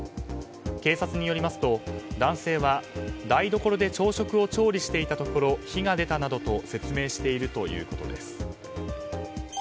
警察によりますと、男性は台所で朝食を調理していたところ火が出たなどと説明しているということです。